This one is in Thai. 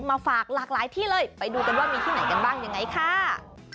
มาฝากหลากหลายที่เลยไปดูกันว่ามีที่ไหนกันบ้างยังไงค่ะ